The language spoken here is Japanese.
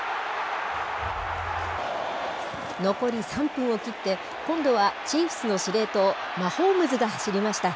残り３分を切って、今度はチーフスの司令塔、マホームズが走りました。